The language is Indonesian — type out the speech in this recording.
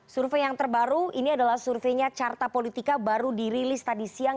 survei yang terbaru ini adalah surveinya carta politika baru dirilis tadi siang